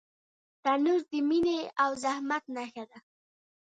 تنور د مینې او زحمت نښه ده